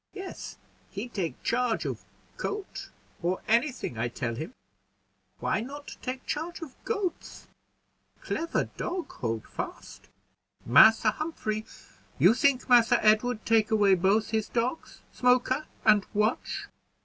"Yes, he take charge of coat, or any thing I tell him; why not take charge of goats. Clever dog, Holdfast. Massa Humphrey, you think Massa Edward take away both his dogs, Smoker and Watch?